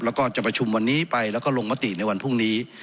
แล้วก็จะประชุมวันนี้ไปแล้วก็ลงมติในวันพรุ่งนี้